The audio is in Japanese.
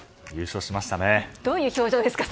どういう表情ですか？